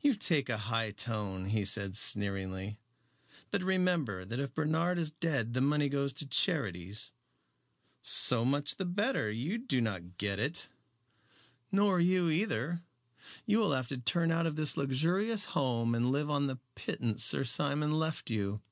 "You take a high tone," he said sneeringly. "But remember that if Bernard is dead the money goes to charities " "So much the better. You do not get it." "Nor you either. You will have to turn out of this luxurious home and live on the pittance Sir Simon left you."